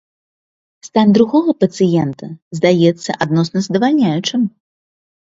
Стан другога пацыента застаецца адносна здавальняючым.